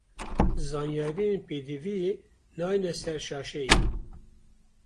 Zanyarîyên pêdiviyî nayêne ser şaşeyê.